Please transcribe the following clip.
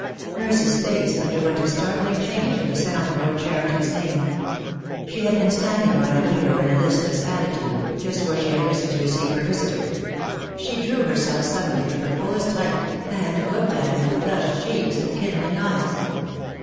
Mercy's face underwent a startling change at the sound of Lord Cheriton's name. She had been standing by the window in a listless attitude, just where she had risen to receive her visitor. She drew herself suddenly to her fullest height, and looked at him with flushed cheeks and kindling eyes.